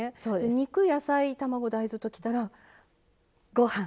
肉野菜卵・大豆ときたらご飯！ですよね？